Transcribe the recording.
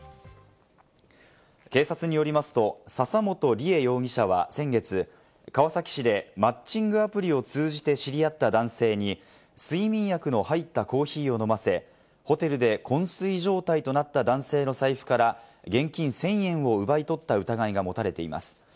警察によりますと、笹本理恵容疑者は先月、川崎市でマッチングアプリを通じて知り合った男性に睡眠薬の入ったコーヒーを飲ませ、ホテルで昏睡状態となった男性の財布から現金１０００円を奪い取った疑いが持たれています。